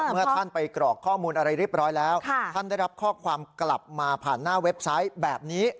เมื่อท่านไปกรอกข้อมูลอะไรเรียบร้อยแล้วท่านได้รับข้อความกลับมาผ่านหน้าเว็บไซต์แบบนี้